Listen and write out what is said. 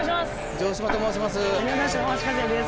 城島と申します。